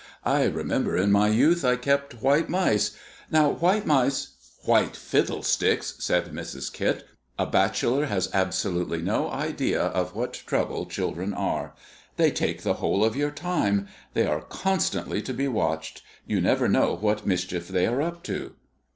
"I remember in my youth I kept white mice. Now, white mice " "White fiddlesticks," said Mrs. Kit. "A bachelor has absolutely no idea of what trouble children are. They take the whole of your time they are constantly to be watched you never know what mischief they are up to."